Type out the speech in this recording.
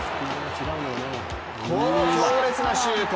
この強烈なシュート！